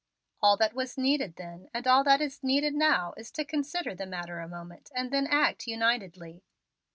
All that was needed then, and all that is needed now, is to consider the matter a moment and then act unitedly.